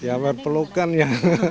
ya merpelukan ya